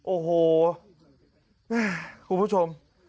โอ้โหคุณผู้ชม